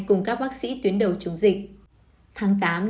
cùng các bác sĩ tuyến đầu chống dịch